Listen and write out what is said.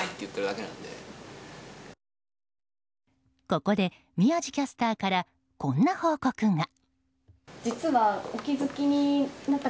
ここで宮司キャスターからこんな報告が。